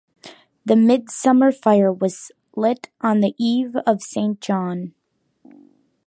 The midsummer fire was lit on the Eve of St. John.